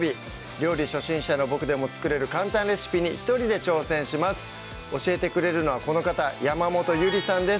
料理初心者のボクでも作れる簡単レシピに一人で挑戦します教えてくれるのはこの方山本ゆりさんです